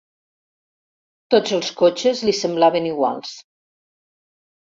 Tots els cotxes li semblaven iguals.